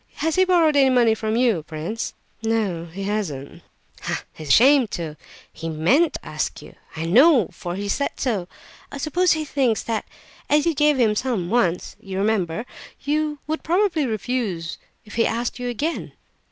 Has he borrowed any money from you, prince?" "No, he has not." "Ah, he's ashamed to! He meant to ask you, I know, for he said so. I suppose he thinks that as you gave him some once (you remember), you would probably refuse if he asked you again."